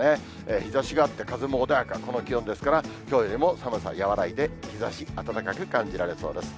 日ざしがあって、風も穏やかでこの気温ですから、きょうよりも寒さ和らいで、日ざし、暖かく感じられそうです。